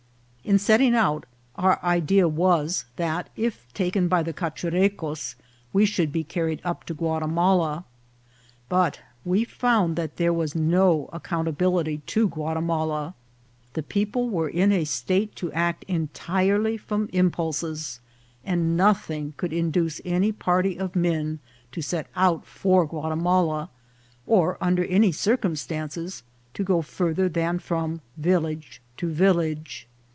In setting out, our idea was that, if taken by the Cachurecos, we should be carried up to Guatimala ; but we found that there was no accountability to Guatimala ; the people were in a state to act entirely from impulses, and nothing could induce any party of men to set out for Guatimala, or under any circumstances to go farther than from village to village.